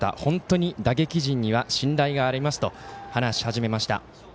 本当に打撃陣には信頼がありますと話し始めました。